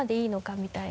みたいな。